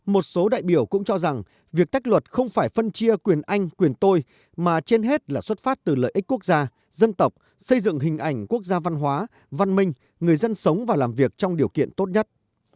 một số đại biểu cũng cho rằng việc tách luật không phải phân chia quyền anh quyền tôi mà trên hết là xuất phát từ lợi ích quốc gia dân tộc xây dựng hình ảnh quốc gia văn hóa văn minh người dân sống và làm việc trong điều kiện tốt nhất